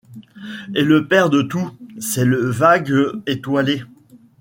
Et le père de tout, c’est le vague étoilé.